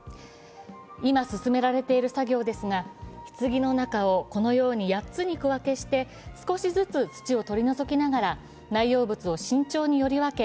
今進められている作業ですが、ひつぎの中をこのように８つに区分けして、少しずつ土を取り除きながら内容物を慎重により分け